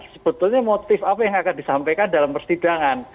sebetulnya motif apa yang akan disampaikan dalam persidangan